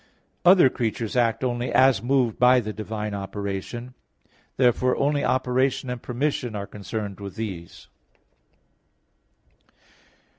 Other creatures act only as moved by the divine operation; therefore only operation and permission are concerned with these.